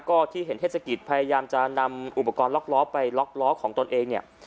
ก็ที่เห็นเทศกิจพยายามจะนำอุปกรณ์ล็อกล้อไปล็อกล้อของตนเองเนี่ย